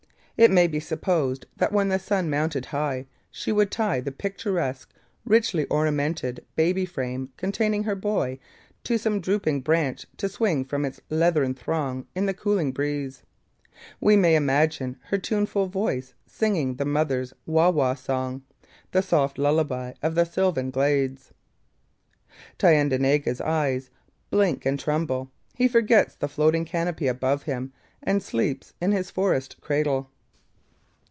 It may be supposed that when the sun mounted high she would tie the picturesque, richly ornamented baby frame containing her boy to some drooping branch to swing from its leathern thong in the cooling breeze. We may imagine her tuneful voice singing the mother's Wa Wa song, the soft lullaby of the sylvan glades. Thayendanegea's eyes blink and tremble; he forgets the floating canopy above him and sleeps in his forest cradle.